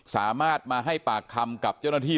สามารถมาให้ปากคำกับเจ้าหน้าที่